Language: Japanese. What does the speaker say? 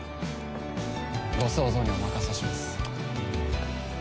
ご想像にお任せします。